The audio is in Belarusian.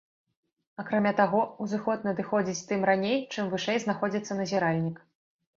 Акрамя таго, узыход надыходзіць тым раней, чым вышэй знаходзіцца назіральнік.